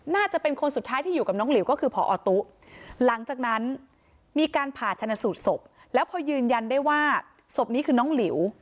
น่าจะเป็นคนสุดท้ายที่อยู่กับน้องหลิวก็คือพอตุ๊หลังจากนั้นมีการผ่าชนะสูตรศพแล้วพอยืนยันได้ว่าศพนี้คือน้องหลิว